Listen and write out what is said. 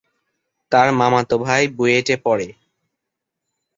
তার মামাতো ভাই বুয়েটে পড়ে।